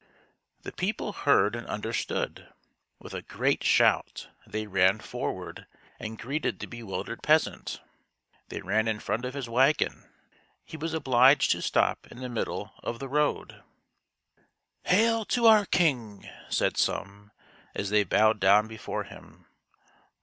The people heard and understood. With a great shout they ran forward and greeted the bewildered 90 THIRTY MORE FAMOUS STORIES peasant. They ran in front of his wagon. He was obliged to stop in the middle of the road. " Hail to our king !" said some, as they bowed down before him.